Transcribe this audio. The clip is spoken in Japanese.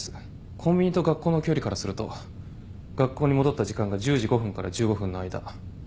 コンビニと学校の距離からすると学校に戻った時間が１０時５分から１５分の間。